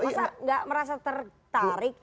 masa gak merasa tertarik